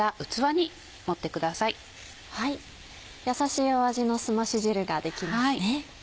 やさしい味のすまし汁ができますね。